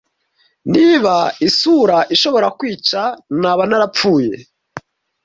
Niba isura ishobora kwica, naba narapfuye.